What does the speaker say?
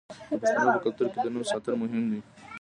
د پښتنو په کلتور کې د نوم ساتل مهم دي.